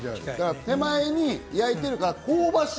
手前に焼いてるから香ばしい。